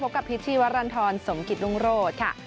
กับพิษชีวรรณฑรสมกิจรุ่งโรศค่ะ